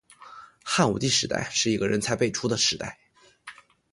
汉武帝时代是个人才辈出的时代。